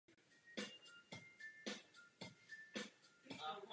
Obrázky zobrazují velmi explicitně sexuální praktiky.